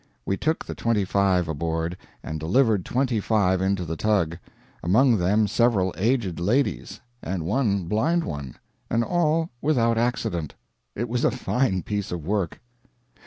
We took the twenty five aboard, and delivered twenty five into the tug among them several aged ladies, and one blind one and all without accident. It was a fine piece of work.